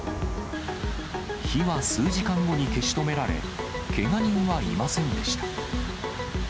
日は数時間後に消し止められ、けが人はいませんでした。